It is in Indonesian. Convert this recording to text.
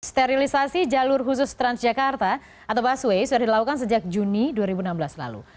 sterilisasi jalur khusus transjakarta atau busway sudah dilakukan sejak juni dua ribu enam belas lalu